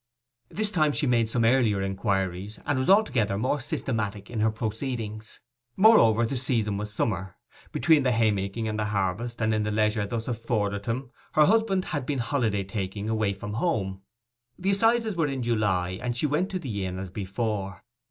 This time she made earlier inquiries, and was altogether more systematic in her proceedings. Moreover, the season was summer, between the haymaking and the harvest, and in the leisure thus afforded him her husband had been holiday taking away from home. The assizes were in July, and she went to the inn as before.